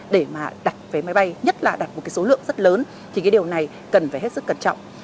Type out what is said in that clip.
để mà đặt vé máy bay nhất là đặt một cái số lượng rất lớn thì cái điều này cần phải hết sức cẩn trọng